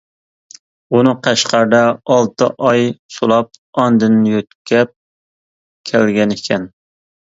ئۇنى قەشقەردە ئالتە ئاي سولاپ، ئاندىن يۆتكەپ كەلگەنىكەن.